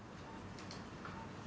dua tahun kemudian